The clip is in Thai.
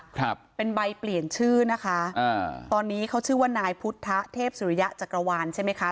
ครับเป็นใบเปลี่ยนชื่อนะคะอ่าตอนนี้เขาชื่อว่านายพุทธเทพสุริยะจักรวาลใช่ไหมคะ